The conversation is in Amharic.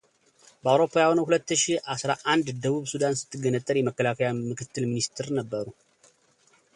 በአውሮፓውያኑ ሁለት ሺ አስራ አንድ ደቡብ ሱዳን ስትገነጠል የመከላከያ ምክትል ሚኒስትር ነበሩ